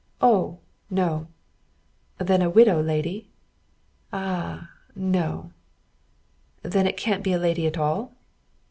"Oh, no!" "Then a widow lady?" "Ah, no!" "Then it can't be a lady at all?"